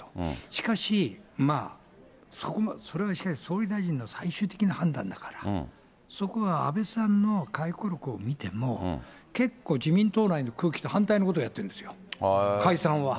しかし、それはしかし、総理大臣の最終的な判断だから、そこは安倍さんの回顧録を見ても、結構自民党内の空気と反対のことをやってるんですよ、解散は。